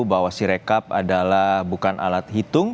bahwa si rekap adalah bukan alat hitung